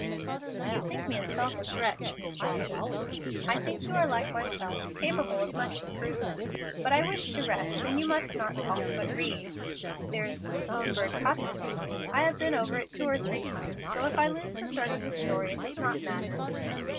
"You think me a selfish wretch, Miss Walton." "I think you are like myself, capable of much improvement. But I wish to rest, and you must not talk, but read. There is the 'Schonberg Cotta Family.' I have been over it two or three times, so if I lose the thread of the story it does not matter."